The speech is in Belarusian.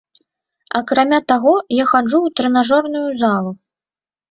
Акрамя таго, я хаджу ў трэнажорную залу.